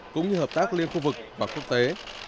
cũng như hợp tác liên khu vực và quốc tế